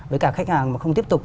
với cả khách hàng mà không tiếp tục